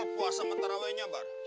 puasa sama tarawehnya bar